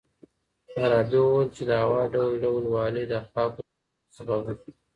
فارابي وويل چي د هوا ډول ډول والی د اخلاقو د تنوع سبب دی.